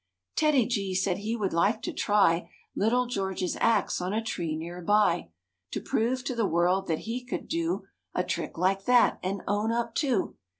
TEDDY G said he would like to try Little George's axe on a tree near by, To prove to the world that he could do A trick like that and own up too.